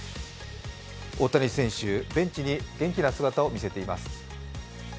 大谷選手、ベンチに元気な姿を見せています。